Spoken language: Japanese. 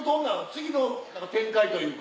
次の展開というか。